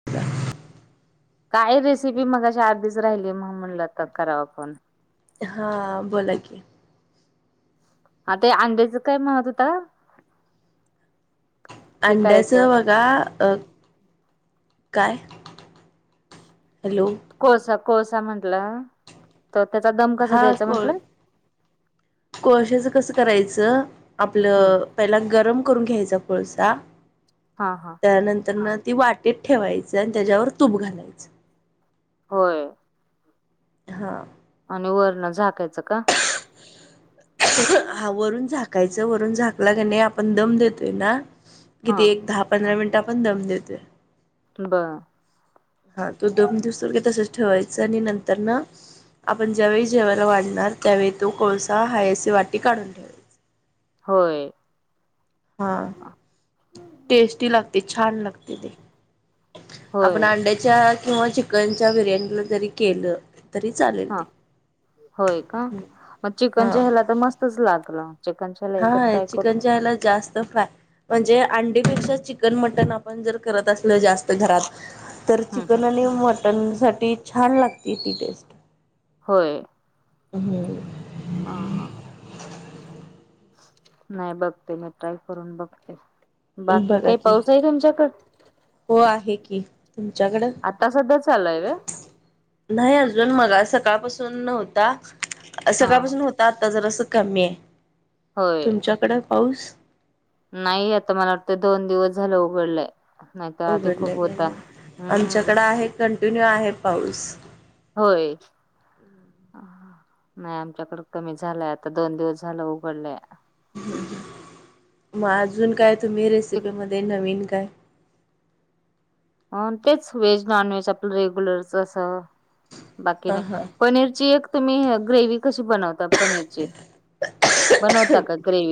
[unintelligible] काय रेसिपी मगाच्याा आधीच राहिली मग म्हणलं तर कराव पण हां बोला की आ ते अंड्याचं काय म्हनत होता. हे करायचं अंड्याचं बघा अ काय हॅलो. कोळसा कोळसा म्हदला तर त्याचा दमं कसा? द्यायचा म्हंटलं. कोळशाचं कसं करायचं हम्म आपलं. पहिलां गरम करून घ्यायचा कोळसा हां हांहा. त्यानंतर ना ती वाटेत ठेवायच आणि त्याच्यावर तूप घालायचं. होय. हां. आणि वरण झाकायचं का? हा वरून झाकायचं वरून झाकला की नाही आपण दम देतोय ना? हा किती एक दहा पंधरा मिनिट आपण दम देतोय. बंर. हा तो धून घेतलाकी तसच ठेवायचं आणि नंतर नां -. आपण ज्यावेळी जेवायला वाढणार त्यावेळी तो कोळसा हायस वाटी काढून ठेवा. - होयं. हां [unintelligible] टेस्टी लागते छान! लागते ते. - आपण होय अंड्याच्या किंवा चिकनच्या बिर्याणीला जरी केलं. तरी चालेल ते हं होयं का? मग हा चिकनच्या ह्याला तर मस्तचं लागलं चिकनच्या. - होय चिकनचायाला जास्त फ्राय. म्हणजे अंडीपेक्षा चिकन मटनं आपण जर करतंं असल जास्त घरात. - तरं हम्म हम्म चिकन आणि मटनसाठी छान! लागते ती टेस्ट. - होयं. अहंम. हा हअं हाअं. - [inaudible] नाही बाप बघते मी ट्राय करून बघते. - बाकी काही पाऊस आहे. तुमच्याकडं [unintelligible] हों आहे की, तूमच्याकडं. सध्या चालू आहे व्हय - [unintelligible] नाही अजून मला सकाळपासून नव्हता [unintelligible] हा सकाळपासून होता. - आ आता जराअसं कमी आहे, होय तुमच्याकडे पाऊसं. नाही आता मला वाटतं दोन दिवस झालं उघडलंय. - उघडले ग हम्म आमच्याकडे आहे कंटिन्यू आहे, पाऊस. - होयं. [inaudible] नाही आमच्याकडे कमी झालंय आता दोन दिवस झालं उघडलयं. - [unintelligible] मग अजून काय तुम्ही रेसिपी मध्ये नवीन काय?. - अन तेच व्हेजं नॉनव्हेज आपलं रेग्युलरचं असं. - बाकी हा नाही, हा पनीरची एक तुम्ही ग्रेवी कशी? बनवता पनीरची. बनवता कां? ग्रेवी. -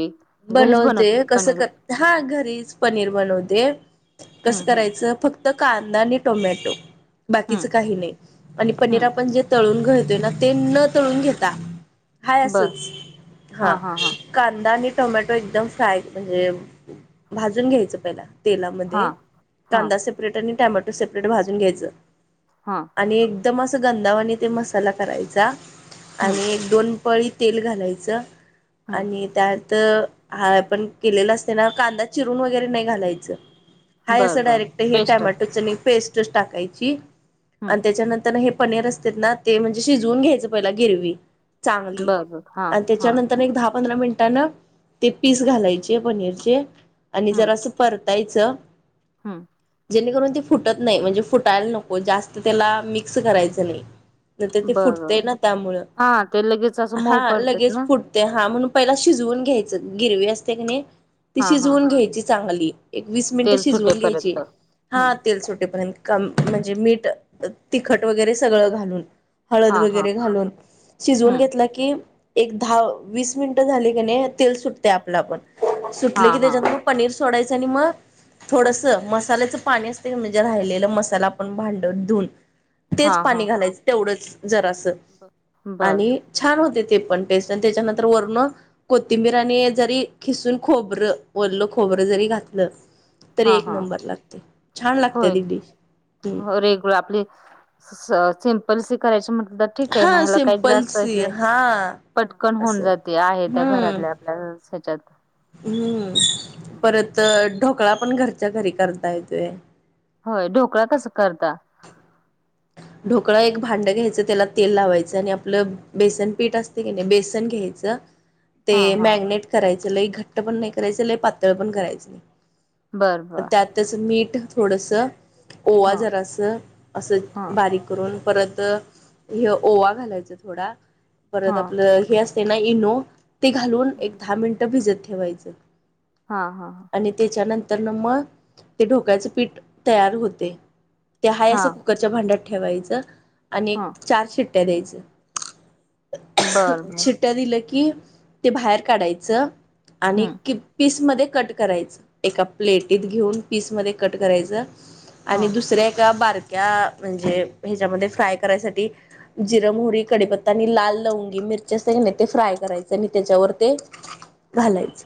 बनवते कसं करते हा घरीचं पनीर बनवते. - [unintelligible] हम्म कसं हम्म करायचं फक्तं. - तं कांदा आणि टोमॅटो बाकीचं हम्म काही नाही आणि पनीर हम्म आपण जे. - तळून घालतोय नां तेन तळून घेता बर हायंअसचं. - हा [inaudible] कांदा आणि टोमॅटो एकदम फ्राय म्हणजे भाजून घ्यायचं पहिला. - हा तेलामध्ये हा कांदा सेपरेट आणि टोमॅटो सेपरेट भाजून घ्यायचं. - हांअ. - आणि एकदम असं गंधावाने ते मसाला करायचा [unintelligible] हम्म आणि. - दोनं पळी तेल घालायचं हम्म आणि. - त्यातं हां आपण केलेला असते नां कांदा चिरून वगैरे नाही घालायचं. - हां बर असं बर डायरेक्ट हे पेस्ट टॅमॅटोच पेस्ट टाकायची हम्म आणि त्याच्यानंतर हेअ. - पनीर असते नां ते म्हणजे शिजून घ्यायचं पहिला गिरवी चांगली. - बर बर हा आणि हा त्याच्यानंतर एकं दहां पंधरा मिनिटांनं ते पीस घालायचे पनीरचे. - आणि जर असं परतायचं. - हयूं. - जेणे करून ते फुटत नाही म्हणजे फुटायला नको. जास्त त्याला मिक्स करायचं नाही. तर ते बरं. फुटते ना त्यामुळं, हां, ते लगेच असं मऊ हा लगे पडतात ना? फूटते हा म्हणून पहिला शिजवून घ्यायचं गिरवी असते की नाही ती हां, हां. शिजवून घ्यायची चांगली एकवीस मिनिट तेल शिजवून घ्यायची सुटेपर्यंत. हं. हां तेल सोटेपर्यंत. - कमं म्हणजे मीठं तिखटं वगैरे सगळं घालून. - हळदं हां, हां. वगैरे घालून शिजवून हं. घेतलं की. - एकं दहां वीसं मिनिटं झाली की, नाही तेल सुटते आपलं आपणं सुटले हां, की हां. त्याच्यातं. - पनीर सोडायचं आणि मगं -. थोडस मसाल्याचं पाणी असतं म्हणजे राहिलेला मसाला आपण भांड धूऊन तेच हां, पाणी हां. घालायचं तेवढंच जरासं बरं. आणि छान होते ते पण. त्याच्यानंतर वर कोथिंबीर आणि जरी खिसुन खोबर ओल खोबरं जरी घातलं तरी हां, एक हां. नंबर लागते. छान लागते होय. ती डिश हम्म. रेगुलर आपली सिम्पल सी करायची म्हटलं तर ठीक आहे. ना हा ह्याला काही सिम्पल त्रास तर सी हे हा पटकन होऊन असं जाते आहे त्या हम्म घरातल्या ह्याच्यात. हम्म. हं. परत ढोकळा पण घरच्या घरी करता येतोय. होय. ढोकळा कसं करता? ढोकळा एक भांडं घ्यायचं त्याला तेल लावायचं आणि आपलं बेसन पीठ असते की नाही बेसन घ्यायचं [inaudible] ते हां. मॅगनेट करायचं लय घट्ट पण नाही करायच लय पातळ पण करायचं नाही. बरं, बरं. त्यातच मीठ थोडस ओवा हं, जरास असं हं, हे करुण परत ओवा घालायचा जरा, परत‌ हं. आपल हे असतय ते ना इनो ते घालून एक दहा मिनिट भिजत ठेवायचं. हा हा हा. आणि त्याच्यानंतर मग ते ढोकळ्याचं पीठ तयार होते. ते हाय असं हां, कुकरच्या भांड्यात ठेवायचं आणि एक हं. चार शिट्टया द्यायचं. बरं, बरं. शिट्टया दिलं की ते बाहेर काढायचं आणि हं, कि पीसमध्ये कट करायचं. एका प्लेटीत घेऊन पीसमध्ये कट करायचं. आणि हं. दुसऱ्या एका बारक्या म्हणजे ह्याच्यामध्ये फ्राय करायसाठी जिर, मोहरी, कडीपत्ता आणि लाल लवंगी मिरच्या असत्या की ते फ्राय करायचं त्याच्यावर ते घालायच.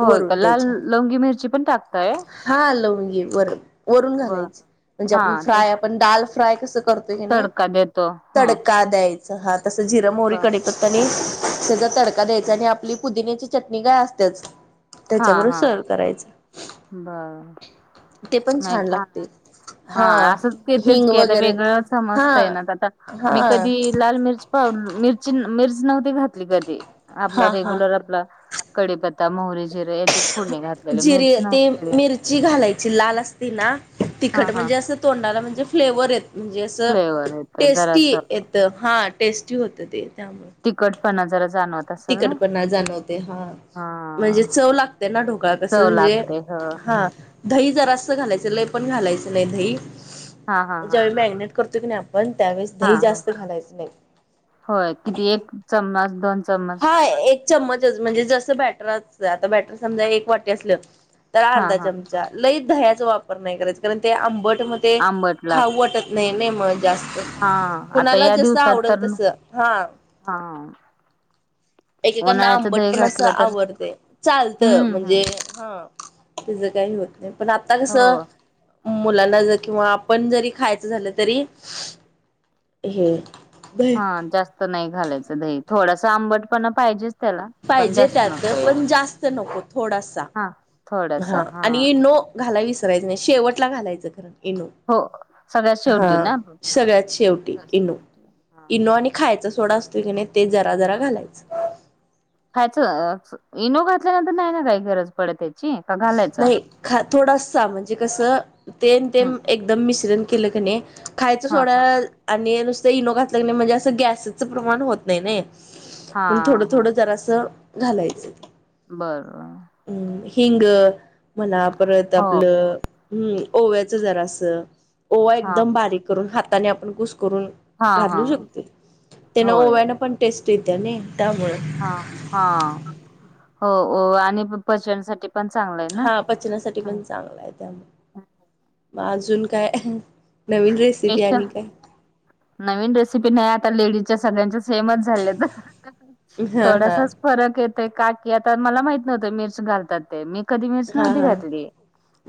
होय का? लाल लंवगी मिरची पण टाकतय? हा लंवगी वर वरून बर घालायचे म्हणजे हा आपण तेच फ्राय आपण डाल फ्राय कस करतो. तडका देतो हा तडका द्यायच. हा तस जिर, मोहरी, कडी, नी त्याचा तडका द्यायचा आणि आपली पुदिन्याची चटणी काय असतेच. हा त्याच्याबरोबर हा सर्व करायच, बर ते पण छान लागते. हा असं येतेच हिंग की आता वगैरे वेगळं हा समजतय ना आता हा मी कधी लाल मिर्च पावडर मिरची मिर्च नव्हती घातली कधी आपला हा हा रेग्युलर आपला कडीपत्ता, मोहरी- जिरे याचेच फोडणी घातलेले मिरच नव्हती ची घालायची लाल असती ना हा तिखट हा म्हणजे असं तोंडाला म्हणजे फ्लेवर येत. म्हणजे असं फ्लेवर येत टेस्टी जरास येत हा टेस्टी होतं ते त्यामुळे तिखटपणा जरा जाणवत असेल ना तिकटपणा जाणवते हा. म्हणजे चव लागते ना ढोकाळा कसं चव म्हणजे लागते ह हा. दही हा जरासं घालायच लय पण घालायचं नाही दही हा हा ज्यावेळी मॅगिनेट करतो की नाही पण त्यावेळेस हा दही हा जास्त खालायचं नाही. होय किती एक चम्मच दोन चम्मच? हा एक चमचच म्हणजे जसं बॅटर अस आता बॅटर समजा एक वाटी असलं तर हा अर्धा हा चमचा लई दह्याचा वापर नाही करायच कारण ते आंबट मध्ये आंबट लाग खाऊ वाटत नाही नाही मग जास्त, हा आता कुणाला या जस दिवसात आवडेल तर तस हा. हा. एकेकांना उन्हाळ्याचं आंबट दही पण असं घातलं तर आवडते. चालतं हम्म म्हणजे हम्म हा. तीज काही होत नाही पण आता कस हो मुलांना जर किंवा आपण जरी खायचं झालं तरी हे हा जास्त नाही घालायचं दही थोडस आंबट पण पाहिजे. पाहिजे त्यात पण जास्त नको थोडासा. हा थोडासा हा आणि ईनो घालायच विसरायच नाही शेवटला घालायचं खरं. इनू हो सगळ्यात हा शेवटी ना सगळ्यात शेवटी इनू शेवटी हा इनू आणि खायचा सोडा असतोय की नाही ते जरा जरा घालायचं. खयच इनो घातल्यानंतर नाही ना काही गरज पडत. त्याची का घालायचा नाही ख थोडसा म्हणजे कस ते आणि ते हम्म एकदम मिश्रण केलं कनी खायचं हा सोडा हा आणि नुसत इनो घातल कनी म्हणजे असं गॅसचं प्रमाण होत नाही नाही. हा आपण थोडं थोडं जरा असं घालायचं. बरं हम्म हिंग म्हणा परत हो आपलं. हम्म ओव्याचं जरा असं ओवा हा एकदम बारीक करून हाताने आपण कुस करून हा हा घालू शकतोय त्यांन‌ होय ओव्यान पण टेस्ट येतीय नी त्यामुळे हा हा हो आणि पचनसाठी पण चांगला आहे ना. हा पचनासाठी हम्म. पण चांगला आहे त्यामुळे मग अजून काय? नवीन रेसिपी स्पेशल आणि काय? नवीन रेसिपी नाही आता लेडीजच्या सगळ्यांच्या सेमच झाल्यात हा हा थोडसाच. फरक येतेय काकी आता मला माहित नव्हत मिर्च घालतात ते मग कधी मिरच हा नव्हती हा घातली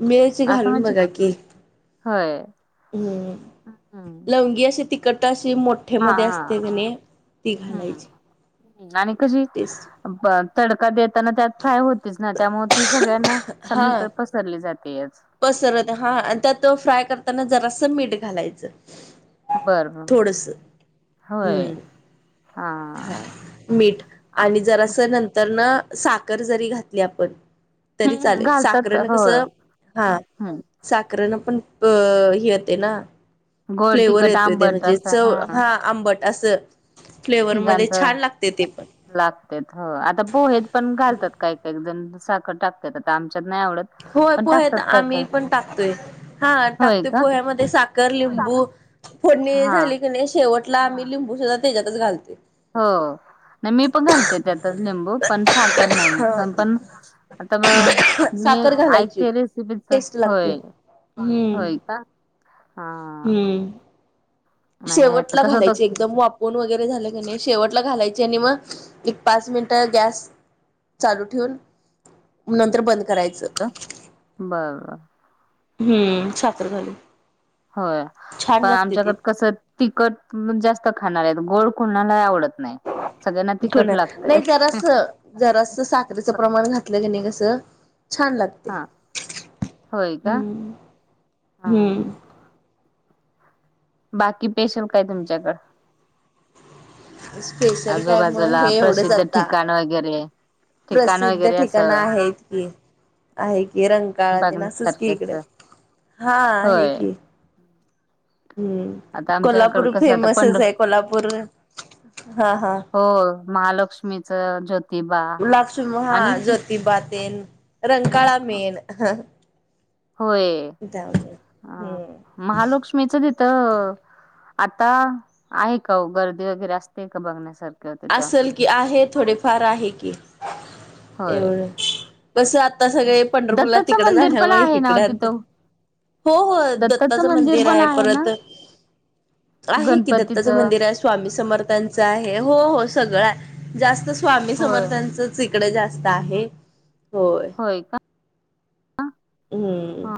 मिरची असं घालून म्हणजे बघा की होय हम्म लवंगी अशी ति कटा अशी हा मोठेमध्ये हा असते कनी ती हम्म घालायची आणि कशी टेस्ट तडका देताना त्यात फ्राय होतीच ना त्यामुळे ती सगळ्यांना हा सगळीकड. सरली जातेयच. पसरत हा त्यात फ्राय करताना जरासं मीठ घालायचं. बर बर थोडस होय हम्म हा मीठ आणि जरास नंतरन साखर जरी घातली आपण तरी हम्म चालेल घालतात साखरण हो कसं. हा हम्म साखरण पण अ हे होतंय ना. गोड फ्लेवर तिखट येतोय ते आंबट म्हणजे असं चव हा आंबट. असं फ्लेवर मध्ये छान लागतय ते पण लागतय हो आता पोहेत पण घालतात काही काही जण साखर टाकतात आता आमच्यात नाही आवडत. होय पण पोहेेत टाकतात काय आम्ही काय पण टाकतोय. हा होय टाकतोय का पोह्यामध्ये साखर, लिंबू फोडणी हा झाली कनी शेवट टला लिंबू सुद्धा त्याच्यातच घालतोय. हो नाही मी पण घालतोय त्यातच लिंबू पण साखर नाही पण. आता मग मी साखर घालायची ऐकते रेसिपीच टेस्ट लागते होय. हम्म होय काय हा. हम्म नाही आता शेवटला कसं होत घालायची एकदम वाफ कोन वगैरे झाले कनी शेवटला घालायचे आणि मग एक पाच मिनिट गॅस चालू ठेवून नंतर बंद करायचं. बर हम्म साखर घालून. होय छान पण लागते आमच्या ते पण गत कसं. तिखट जास्त खाणार आहेत गोड कोणाला ही आवडत नाही. सगळ्यांना तिखट थोडं लागतय. नाही जरास जरास साखरेचं प्रमाण घातलं की नाही कसं छान लागत. हा होय का हम्म हा हम्म बाकी स्पेशल काय तुमच्याकड स्पेशल काय मग आजूबाजूला हे एवढंच प्रसिद्ध आता ठिकाण वगैरे ठिकाण प्रसिद्ध वगैरे ठिकाणं असं आहेत इतकी आहे की रंकाळातेन असच की बघण्यासारखेच इकडे हा आहे होय की हम्म आता आमच्याकड कोल्हापूर कसं आता पंढ फेमसच आहे कोल्हापूर हा हा. हो. महालक्ष्मीचं ज्योत लाक्ष हा ज्योतिबातेन. रंकाळा मेन ह व्हय अ महालक्ष्मीच तिथं आता आहे काओ गर्दी वगैरे असते का बघण्यासारखं असल की आहे थोडेफार आहे की. होय एवढं कस आता सगळे पंढरपूरला दत्ताचं तिकडं मंदिर पण जाण्यामुळं आहे ना हीकडं आता तिथं हो हो दत्ताचं मंदिर आहे परत आहे की दत्ताचं गणपतीचं मंदिर आहे, स्वामी समर्थ त्यांच आहे हो हो सगळं हाय जास्त स्वामी होय समर्थांचच इकडं जास्त आहे होय हम्म. हा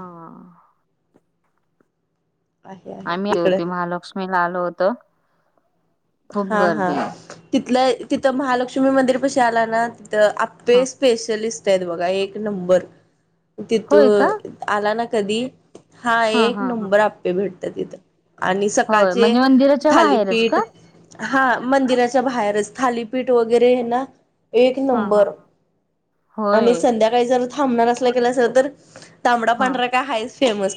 आहे आहे आम्ही ते इकडे होती महालक्ष्मीला आलो होतो. खूप हा हा गर्दी तिथलं तिथं महालक्ष्मी मंदिर पशी आला ना तिथं आपे ह स्पेशलिस्ट आहेत बघा एक नंबर होय का तिथून आला ना कधी, हा एक हा ह नंबर आप्पे भेटत्यात इथं. आणि होय सकाळचे म्हणजे मंदिराच्या बाहेरच थालीपीठ का हा मंदिराच्या बाहेरच थालीपीठ वगैरे हे ना एक हा हा नंबर आणि होय संध्या द्याकाळी जर थांबणार असला केलासा तर तांबडा हा पांढरा काय हायच. फेमस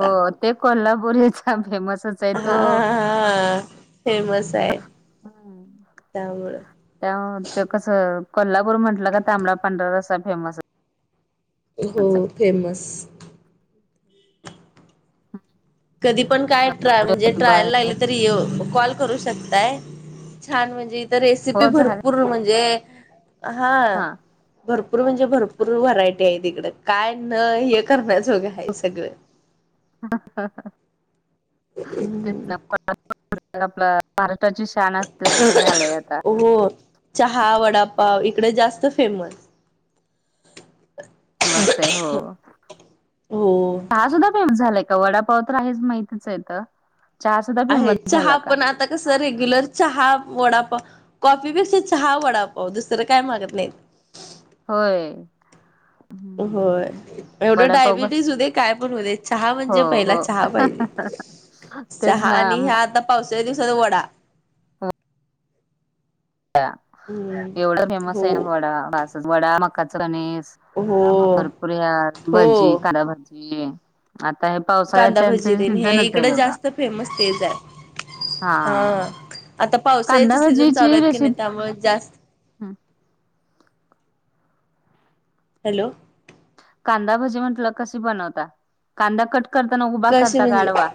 हो ते कोल्हापुरीचा फेमसच आहे हा तो हा हा हा. फेमस हाय. हम्म. त्यामुळं त्या ते कसं कोल्हापूर म्हटलं का तांबडा पांढरा रस्सा फेमस. हो फेमस. कधी पण काय ट्रा म्हणजे ज्योतिबा ट्रायल आहे. लागलं तरी यो कॉल करू शकताय छान म्हणजे इ इथं रेसिपी हो झालं भरपूर म्हणजे हा भरपूर म्हणजे भरपूर व्हरायटी हाईत इकडं काय न हे करण्याजोगं हाय सगळं. [unintelligible] आपला महाराष्ट्राची शान असल्यासारख झालंय आता. हो. चहा वडापाव इकडं जास्त फेमस. फेमस हाय हो हो. चहा सुद्धा फेमस झालाय वडापाव तर आहेच माहितच आहेेतं चहा सुद्धा फेमस झाला का? तसं रेग्युलर चहा वडापाव कॉफीपेक्षा चहा वडापाव दुसरं काय मागत नाहीत. होय. हम्म होय एवढे वडापाव कस डायबिटीस होऊ दे काय पण होऊ दे चहा हो म्हणजे पहिला हो चहा पाहिजे. तेच चहा ना आणि ह्या मग आता पावसाच्या दिवसात वडा. हम्म एवढ फेमस हो आहे ना वडा बासच वडा मकाच कनीस. हो. पुऱ्यात भजी हो कांदा भजी. आता हे पावसाळ्यात कांदा भजी त्यांचं देन हे सीझनच आहे इकडे बघा. जास्त फेमस तेच आहे हा आता पावसाळ्याचं कांदा सीझन चालू भजीची आहेत की नाहीत रेसिपी त्यामुळं जास्त हॅलो कांदा भजी म्हंटलं कशी बनवता, कांदा कट करताना उभा कसे करता का म्हणजे आडवा?